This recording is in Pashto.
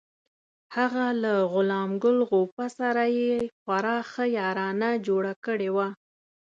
هغه له غلام ګل غوبه سره یې خورا ښه یارانه جوړه کړې وه.